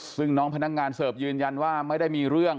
ซึ่งน้องพนักงานเสิร์ฟยืนยันว่าไม่ได้มีเรื่อง